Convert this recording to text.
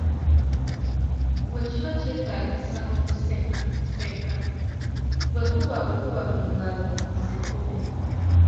Bwe kiba kyetaagisa okuseka seka, bwe kuba kukuba mu ngalo zikube .